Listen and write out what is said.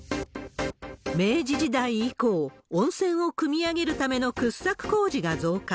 明治時代以降、温泉をくみ上げるための掘削工事が増加。